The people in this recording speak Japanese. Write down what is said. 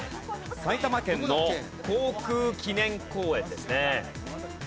埼玉県の航空記念公園ですね。